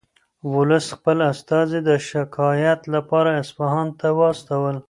ولس خپل استازي د شکایت لپاره اصفهان ته واستول.